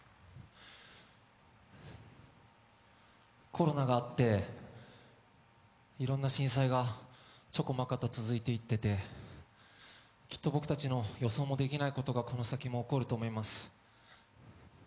コロナがあって、いろんな震災がちょこまかと続いていってて、きっと僕たちの予想もできないことがこの先も起こると思います。